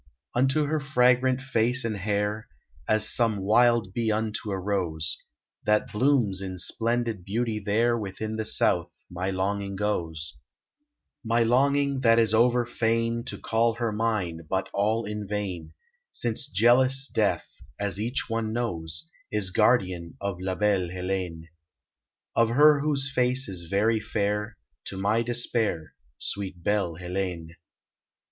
Unto her fragrant face and hair, As some wild bee unto a rose, That blooms in splendid beauty there Within the South, my longing goes: My longing, that is over fain To call her mine, but all in vain; Since jealous Death, as each one knows, Is guardian of La belle Heléne; Of her whose face is very fair To my despair, Sweet belle Heléne.